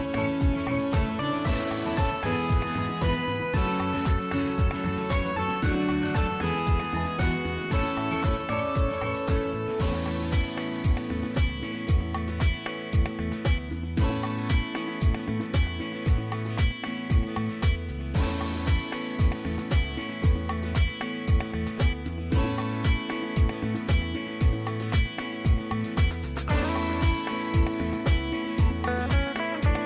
สวัสดีครับ